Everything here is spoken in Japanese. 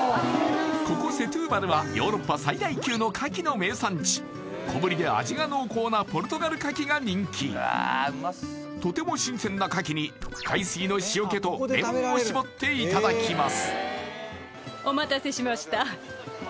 ここセトゥーバルはヨーロッパ最大級の牡蠣の名産地小ぶりで味が濃厚なポルトガル牡蠣が人気とても新鮮な牡蠣に海水の塩気とレモンを搾っていただきます